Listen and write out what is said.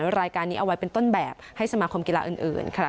รายการนี้เอาไว้เป็นต้นแบบให้สมาคมกีฬาอื่นค่ะ